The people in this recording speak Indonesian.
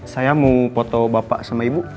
saya mau foto bapak sama ibu